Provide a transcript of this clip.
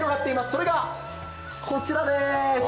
それがこちらでーす。